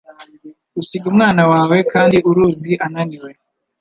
Usiga umwana wawe kandi uruzi ananiwe